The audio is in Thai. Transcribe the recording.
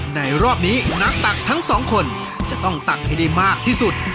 รอบนี้นักตักทั้งสองคนจะต้องตักให้ได้มากที่สุด